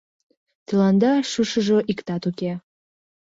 Тыланда шушыжо иктат уке.